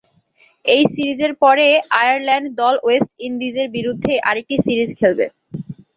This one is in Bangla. এ সিরিজের পরে আয়ারল্যান্ড দল ওয়েস্ট ইন্ডিজের বিরুদ্ধে আরেকটি সিরিজ খেলবে।